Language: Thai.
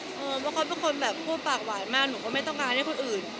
เพราะเขาเป็นคนแบบพูดปากหวานมากหนูก็ไม่ต้องการให้คนอื่น